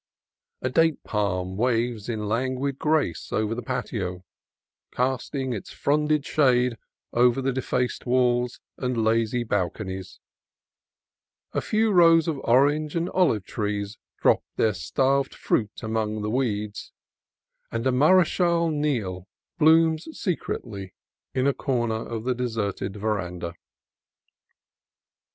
A date palm waves in languid grace over the patio, casting its fronded shade over the defaced walls and crazy balconies : a few rows of orange and olive trees drop their starved fruit among the weeds, and a Mar6chal Niel blooms secretly in a corner of the deserted veranda.